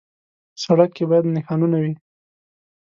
سړک کې باید نښانونه وي.